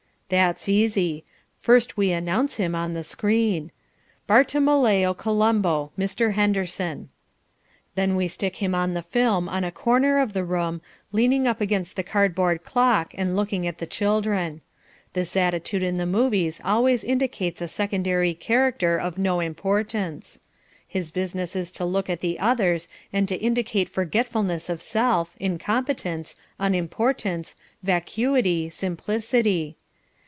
That's easy. First we announce him on the screen: BARTOLOMEO COLOMBO.. Mr. Henderson Then we stick him on the film on a corner of the room, leaning up against the cardboard clock and looking at the children. This attitude in the movies always indicates a secondary character of no importance. His business is to look at the others and to indicate forgetfulness of self, incompetence, unimportance, vacuity, simplicity.